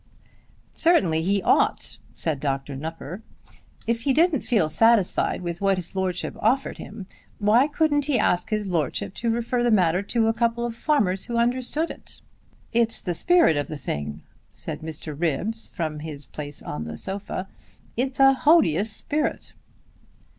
"Certainly he ought," said Dr. Nupper. "If he didn't feel satisfied with what his lordship offered him, why couldn't he ask his lordship to refer the matter to a couple of farmers who understood it?" "It's the spirit of the thing," said Mr. Ribbs, from his place on the sofa. "It's a hodious spirit."